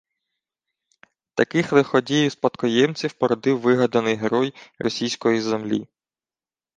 Таких лиходіїв-спадкоємців породив вигаданий герой «російської землі»